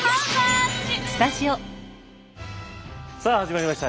さあ始まりました。